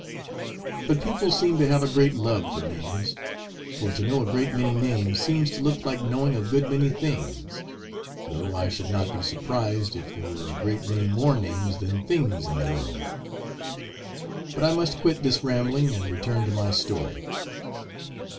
But people seem to have a great love for names; for to know a great many names, seems to look like knowing a good many things; though I should not be surprised, if there were a great many more names than things in the world. But I must quit this rambling, and return to my story.